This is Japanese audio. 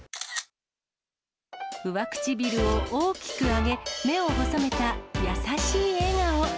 上唇を大きく上げ、目を細めた優しい笑顔。